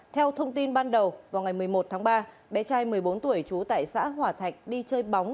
theo thông tin ban đầu vào ngày một mươi một tháng ba bé trai một mươi bốn tuổi trú tại xã hòa thạch đi chơi bóng